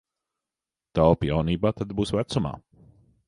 Taupi jaunībā, tad būs vecumā.